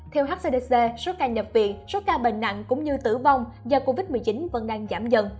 theo hcdc số ca nhập viện số ca bệnh nặng cũng như tử vong do covid một mươi chín vẫn đang giảm dần